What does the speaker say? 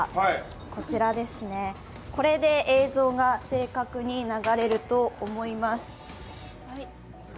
こちらですね、これで映像が正確に流れると思います。